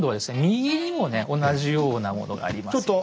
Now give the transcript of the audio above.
右にもね同じようなものがありますよね。